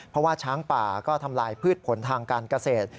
เพราะว่าช้างป่าก็ทำลายพืชผลทางการเกษตร